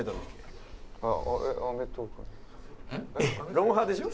『ロンハー』でしょ？